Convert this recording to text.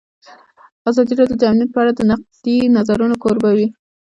ازادي راډیو د امنیت په اړه د نقدي نظرونو کوربه وه.